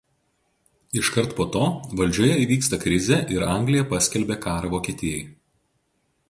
Iškart po to valdžioje įvyksta krizė ir Anglija paskelbė karą Vokietijai.